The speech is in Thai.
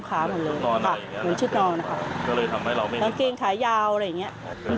ก่อนโฟวิตเนี่ยเราเคยเห็นตัวคนที่เป็นแม่เนี่ย